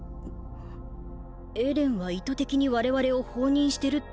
エレンは意図的に我々を放任してるってこと？